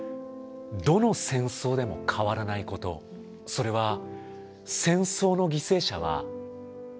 どの戦争でも変わらないことそれは戦争の犠牲者は子どもたち。